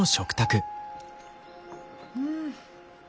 うん。